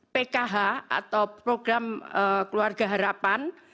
pkh atau program keluarga harapan